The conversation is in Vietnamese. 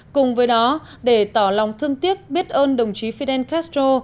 cùng với đó để tỏ lòng thương tiếc biết ơn đồng chí fidel castro